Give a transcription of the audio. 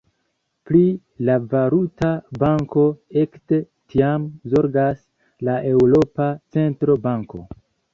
Pri la valuta banko ekde tiam zorgas la Eŭropa Centra Banko.